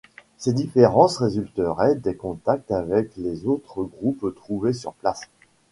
Ces différences résulteraient des contacts avec les autres groupes trouvés sur place.